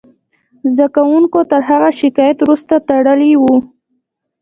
زده کوونکو تر هغه شکایت وروسته تړلې وه